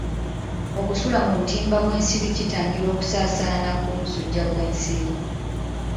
Okusula mu butimba bw'ensiri kitangira okusaasaana kw'omusujja gw'ensiri.